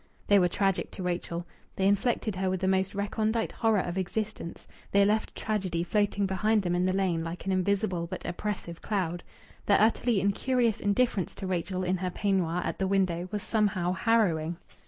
They were tragic to Rachel; they infected her with the most recondite horror of existence; they left tragedy floating behind them in the lane like an invisible but oppressive cloud. Their utterly incurious indifference to Rachel in her peignoir at the window was somehow harrowing.